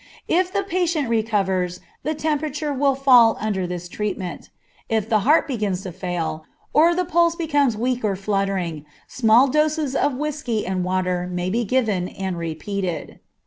If the patient recovers, the temperature will fall under this treatment. If the heart begins to fail, or the pulse becomes weak or fluttering, small doses of whiskey and water may be given and repeated.